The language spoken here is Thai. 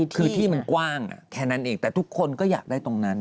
คือที่มันกว้างแค่นั้นเองแต่ทุกคนก็อยากได้ตรงนั้น